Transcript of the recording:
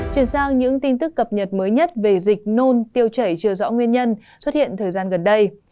chuyển sang những tin tức cập nhật mới nhất về dịch nôn tiêu chảy chưa rõ nguyên nhân xuất hiện thời gian gần đây